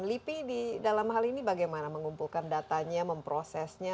lipi dalam hal ini bagaimana mengumpulkan datanya memprosesnya